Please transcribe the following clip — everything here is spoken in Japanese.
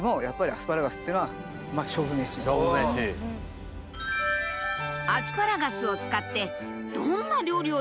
アスパラガスを使ってどんな料理を作っていたのか。